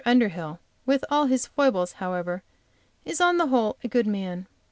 Underhill with all his foibles, however, is on the whole a good man.